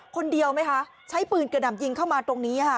คนเดียวไหมคะใช้ปืนกระหน่ำยิงเข้ามาตรงนี้ค่ะ